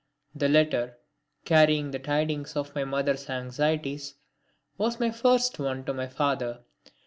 That letter, carrying the tidings of my mother's anxieties, was my first one to my father.